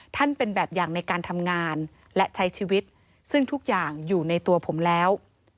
เป็นแบบอย่างในการทำงานและใช้ชีวิตซึ่งทุกอย่างอยู่ในตัวผมแล้ว